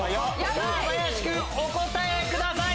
バヤシ君お答えください